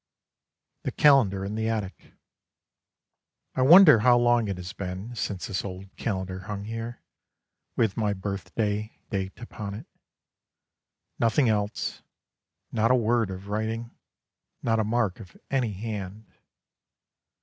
THE CALENDAR IN THE ATTIC I wonder how long it has been Since this old calendar hung here, With my birthday date upon it, Nothing else not a word of writing Not a mark of any hand.